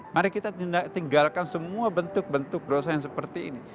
mari kita tinggalkan semua bentuk bentuk dosa yang seperti ini